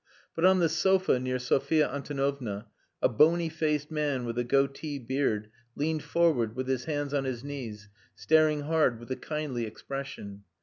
But, on the sofa, near Sophia Antonovna, a bony faced man with a goatee beard leaned forward with his hands on his knees, staring hard with a kindly expression.